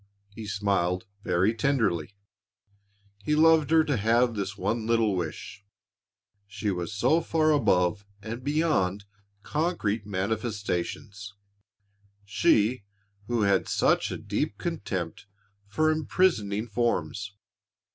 He smiled very tenderly. He loved her to have this one little wish she was so far above and beyond concrete manifestations she who had such a deep contempt for imprisoning forms.